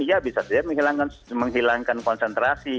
ya bisa saja menghilangkan konsentrasi